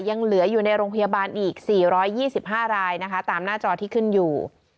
ยังเหลืออยู่ในโรงพยาบาลอีก๔๒๕รายนะคะตามหน้าจอที่ขึ้นอยู่